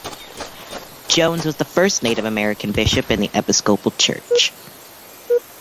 Jones was the first Native American bishop in the Episcopal Church.